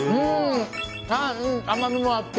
甘みもあって。